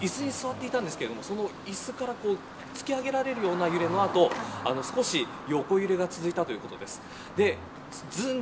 いすに座っていたんだそうですがいすから突き上げられるような揺れの後少し横揺れが続いたということです。